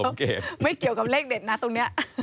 ไม่เกี่ยวกับเลขเด็ดนะตรงเนี้ย